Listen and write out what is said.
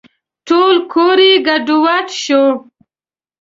ټول کور یې ګډوډ شو .